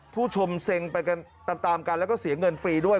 ผู้ชมเซ็งไปกันตามกันแล้วก็เสียเงินฟรีด้วย